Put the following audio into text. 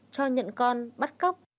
cho nhận con bắt cóc